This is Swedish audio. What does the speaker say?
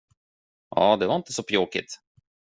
Ja, det var inte så pjåkigt.